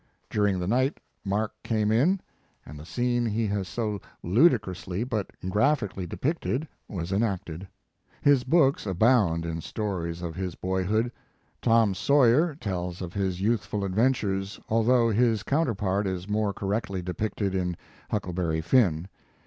Dur ing the night Mark came in, and the scene he has so ludicrously but graphically depicted was enacted. His books abound in stories of his boyhood. "Tom Sawyer" tells of his youthful adventures, although his coun terpart is more correctly depicted in "Huckleberry Finn".